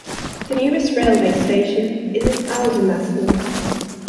The nearest railway station is Aldermaston.